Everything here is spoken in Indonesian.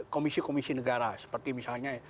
komisi komisi negara seperti misalnya